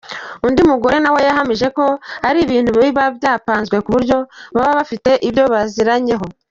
Undi mugore nawe yahamije ko ari ibintu biba byapanzwe kuburyo baba bafite ibyo baziranyeho.